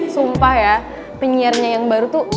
sumpah ya penyiarnya yang baru tuh